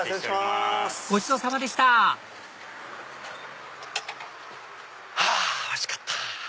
ごちそうさまでしたはぁおいしかった！